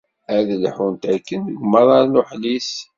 Ad lḥunt akken deg umaḍal uhlis.